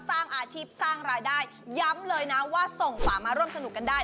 สร้างอาชีพสร้างรายได้ย้ำเลยนะว่าส่งฝามาร่วมสนุกกันได้